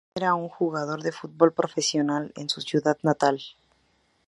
Era un jugador de fútbol profesional en su ciudad natal.